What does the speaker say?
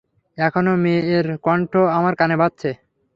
এখনো মে এর কণ্ঠ আমার কানে বাজছে।